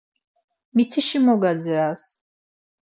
Mitişi mo gaceras!